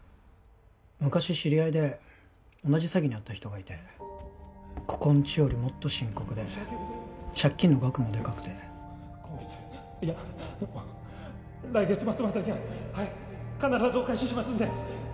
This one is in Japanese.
昔知り合いで同じ詐欺に遭った人がいてここんちよりもっと深刻で借金の額もデカくて今月いや来月末までにははい必ずお返ししますんで